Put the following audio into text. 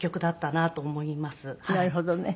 なるほどね。